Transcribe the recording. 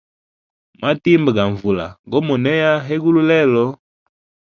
Matimba ga nvula go monea hegulu lelo.